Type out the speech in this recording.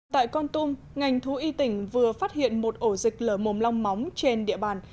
tại con tum ngành thú y tỉnh vừa phát hiện một ổ dịch lở mồm long móng trên địa bàn